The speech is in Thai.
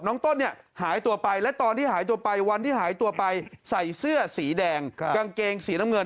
ต้นเนี่ยหายตัวไปและตอนที่หายตัวไปวันที่หายตัวไปใส่เสื้อสีแดงกางเกงสีน้ำเงิน